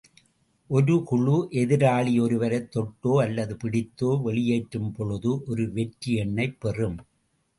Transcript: ஒரு குழு, எதிராளி ஒருவரைத் தொட்டோ அல்லது பிடித்தோ வெளியேற்றும்பொழுது, ஒரு வெற்றி எண்ணைப் பெறும்.